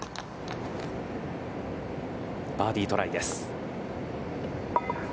バーディートライです。